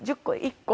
１０個？